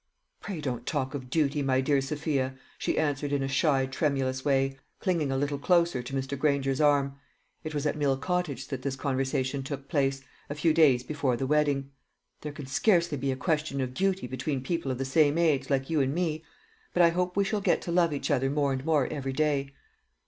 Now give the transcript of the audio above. "Pray don't talk of duty, my dear Sophia," she answered in a shy tremulous way, clinging a little closer to Mr. Granger's arm. It was at Mill Cottage that this conversation took place, a few days before the wedding. "There can scarcely be a question of duty between people of the same age, like you and me. But I hope we shall get to love each other more and more every day."